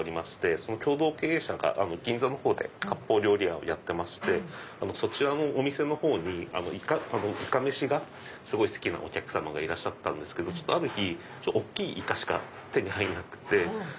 その共同経営者が銀座のほうで割烹料理屋をやってましてそちらのお店にイカメシが好きなお客様がいたんですけどある日大きいイカしか手に入らなくて。